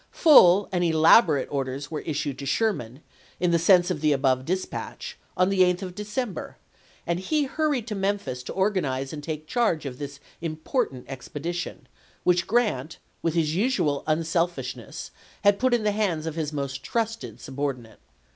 p. m'.' Full and elaborate orders were issued to Sherman, in the sense of the above dispatch, on the 8th of December, and he hurried to Memphis to organize and take charge of this important expedition, which Grant, with his usual unselfishness, had put in the hands of his most trusted subordinate.